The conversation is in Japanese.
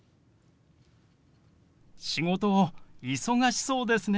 「仕事忙しそうですね」。